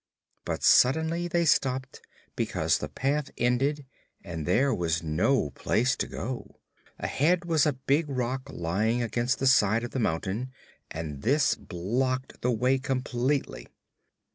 But suddenly they stopped, because the path ended and there was no place to go. Ahead was a big rock lying against the side of the mountain, and this blocked the way completely.